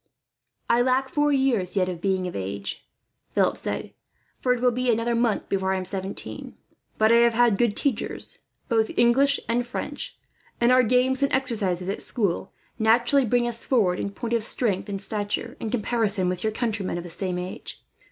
"I lack four years, yet, of being of age," Philip said; "for it will be another month before I am seventeen. But I have had good teachers, both English and French; and our games and exercises, at school, naturally bring us forward, in point of strength and stature, in comparison with your countrymen of the same age.